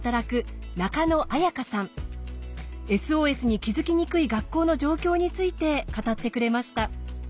ＳＯＳに気づきにくい学校の状況について語ってくれました。